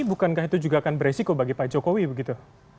bukankah itu juga akan beresiko bagi pak jokowi begitu